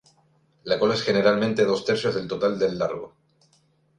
La cola es generalmente dos tercios del total del largo.